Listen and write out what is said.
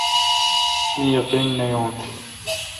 مہ یقین نہ یون۔